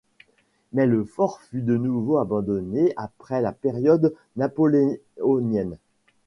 Mais le fort fut de nouveau abandonné après la période napoléonienne.